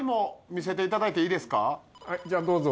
はいじゃあどうぞ。